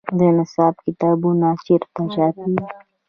د نصاب کتابونه چیرته چاپیږي؟